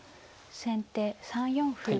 先手３四歩。